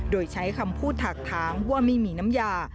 โดยใช้คำพูดถากถามว่าไม่มีน้ำยา